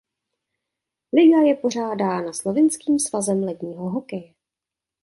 Liga je pořádána slovinským svazem ledního hokeje.